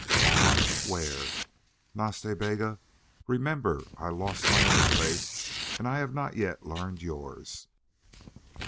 "Gone! Where? Nas Ta Bega, remember I lost my own faith, and I have not yet learned yours."